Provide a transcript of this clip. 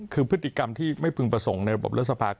คือพฤติกรรมที่ไม่พึงประสงค์ในระบบรัฐสภา